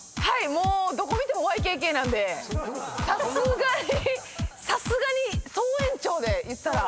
どこ見てもＹＫＫなんでさすがにさすがに総延長でいったら。